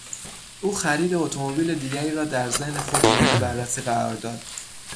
او خرید اتومبیل دیگری را در ذهن خود مورد بررسی قرار داد.